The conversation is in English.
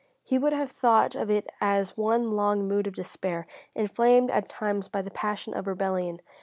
He would have thought of it as one long mood of despair, inflamed at times by the passion of rebellion.